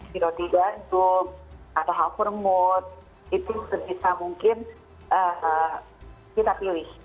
tiram tiga jum atau halvermut itu sebisa mungkin kita pilih